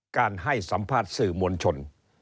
การให้สัมภาษณ์สิ่งบนชน